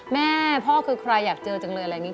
แม่พ่อคือใครอยากเจอจังเลยอะไรอย่างนี้